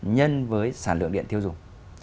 nhân với sản lượng điện thiêu dùng